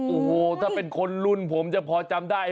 โอ้โหถ้าเป็นคนรุ่นผมจะพอจำได้